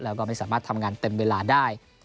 แล้วก็ไม่สามารถทำงานเต็มเวลาได้